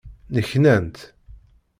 Nneknant.